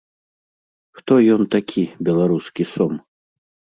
Хто ён такі, беларускі сом?